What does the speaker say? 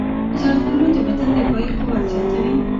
زردالو د بدن دفاعي قوت زیاتوي.